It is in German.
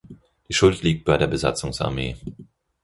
Die Schuld liegt bei der Besatzungsarmee.